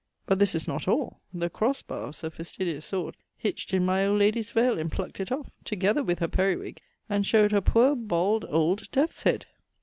But this is not all the cross bar of Sir Fastidious' sword hitchd in my old ladie's vaile and pluckt it off, together with her periwig, and showed her poor bald old death's head.